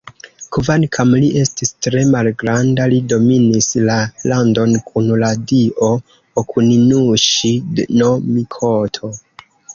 Kvankam li estis tre malgranda, li dominis la landon kun la dio Okuninuŝi-no-mikoto.